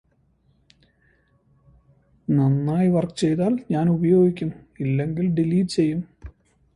Schull was offered a full scholarship to Indiana University for ballet.